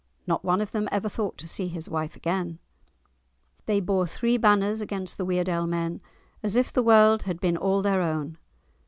Not one of them ever thought to see his wife again. They bore three banners against the Weardale men, "as if the world had been all their own."